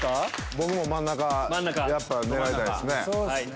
僕も真ん中狙いたいですね。